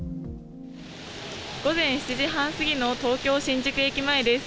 午前７時半過ぎの東京・新宿駅前です。